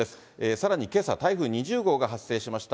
さらにけさ、台風２０号が発生しました。